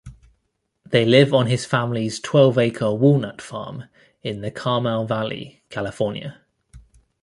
They live on his family's twelve-acre walnut farm in the Carmel Valley, California.